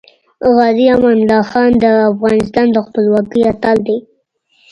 غازې امان الله خان د افغانستان د خپلواکۍ اتل دی .